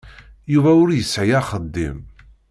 Yuba ur yesɛi axeddim.